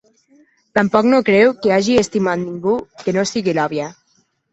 Tampoc no creu que hagi estimat ningú que no sigui l'àvia.